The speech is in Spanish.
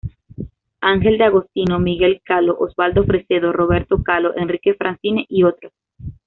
Angel D’Agostino, Miguel Caló, Osvaldo Fresedo, Roberto Caló, Enrique Francini, y otros.